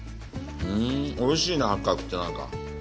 おいしいな八角ってなんか。